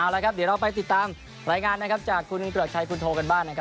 เราลงไปติดตามรายงานจากคุณโดยชายทดลองแหน่ง